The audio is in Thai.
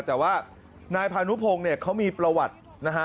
แต่ว่านายพานุพงศ์เนี่ยเขามีประวัตินะฮะ